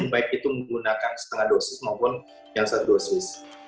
baik itu menggunakan setengah dosis maupun yang satu dosis